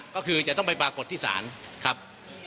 ก็คือจะต้องไปปรากฏที่ศาลครับ